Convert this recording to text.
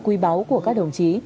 quy báo của các đồng chí